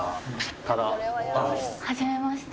はじめまして。